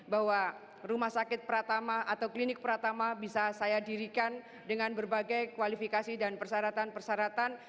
bahwa rumah sakit pratama atau klinik pratama bisa saya dirikan dengan berbagai kualifikasi dan persyaratan persyaratan